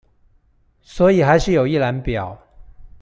所以還是有一覽表